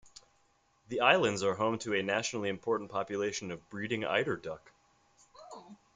The islands are home to a nationally important population of breeding eider duck.